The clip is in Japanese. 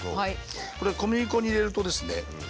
これは小麦粉に入れるとですね